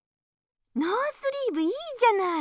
ノースリーブいいじゃない！